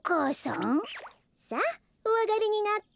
さあおあがりになって。